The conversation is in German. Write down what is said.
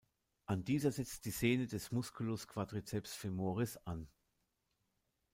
An dieser setzt die Sehne des Musculus quadriceps femoris an.